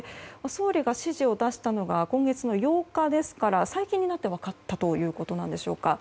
総理が指示を出したのが今月の８日ですから最近になって分かったということなんでしょうか。